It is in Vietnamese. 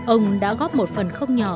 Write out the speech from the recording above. ông đã góp một phần không nhỏ